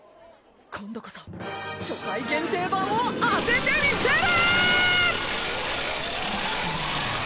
今度こそ初回限定版を当ててみせるっ！